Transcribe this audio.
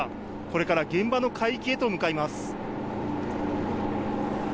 これから現場の海域へと向かいます。